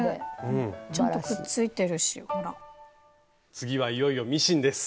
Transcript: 次はいよいよミシンです。